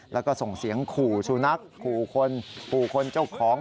แล้วก็ส่งเสียงขู่สุนัขขู่คนขู่คนเจ้าของ